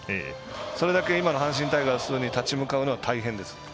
それだけ今の阪神タイガースに立ち向かうのは大変です。